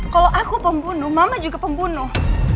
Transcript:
kalau aku pembunuh mama juga pembunuh